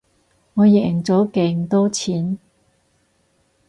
我贏咗勁多錢